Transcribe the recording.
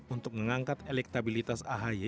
untuk mengangkat elektabilitas ahi